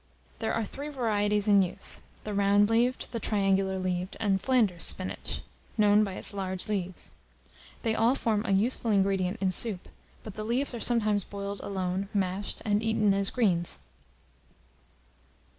There are three varieties in use; the round leaved, the triangular leaved, and Flanders spinach, known by its large leaves. They all form a useful ingredient in soup; but the leaves are sometimes boiled alone, mashed, and eaten as greens.